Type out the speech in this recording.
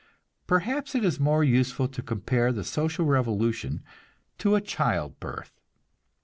Perhaps it is more useful to compare the social revolution to a child birth.